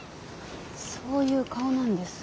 そういう顔なんです。